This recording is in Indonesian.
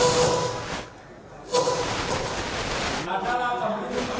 bahwa pancasila dua ribu sembilan belas adalah pemilu keuangan yang berjurur jurur